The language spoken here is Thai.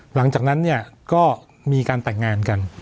หลังจากนั้นเนี่ยก็มีการแต่งงานกัน